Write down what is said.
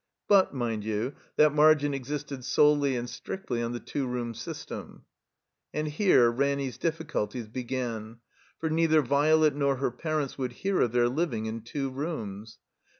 But, mind you, that margin existed solely and strictly on the two room system. And here Ranny's difficulties began; for neither Violet nor her parents would hear of their living in two rooms.